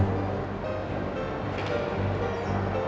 tolong bantu papa ya pangeran